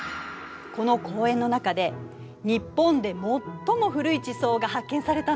この公園の中で日本で最も古い地層が発見されたの。